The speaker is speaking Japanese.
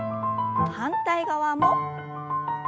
反対側も。